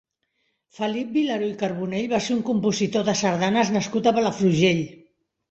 Felip Vilaró i Carbonell va ser un compositor de sardanes nascut a Palafrugell.